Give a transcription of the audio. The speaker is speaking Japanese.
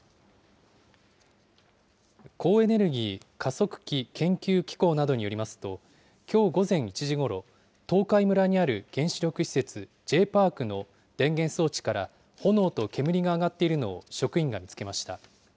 高エネルギー加速器研究機構などによりますと、きょう午前１時ごろ、東海村にある原子力施設、ＪーＰＡＲＣの電源装置から炎と煙が上がっているのを職員が見つけました。